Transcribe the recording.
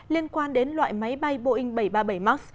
liên quan đến loại máy bay boeing bảy trăm ba mươi bảy max